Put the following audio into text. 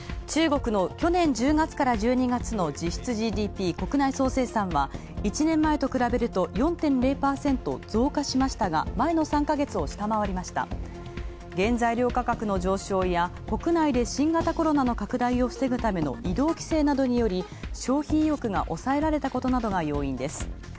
中国の去年１０月から１２月の実質ＧＤＰ＝国内総生産は１年前と比べると４．０％増加しましたが前の３ヶ月を下回り、原材料価格の上昇や国内で新型コロナの拡大を防ぐための移動規制などにより、消費意欲が抑えられたことなどが要因です。